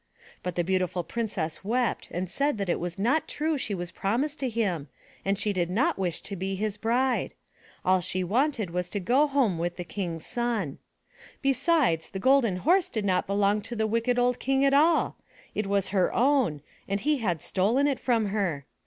But the Beautiful Princess wept and said it was not true she was promised to him and she did not wish to be his bride. All she wanted was to go home with the King's son. Besides, the Golden Horse did not belong to the wicked old King at all. It was her own and he had stolen it from her.